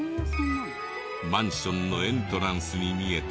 マンションのエントランスに見えた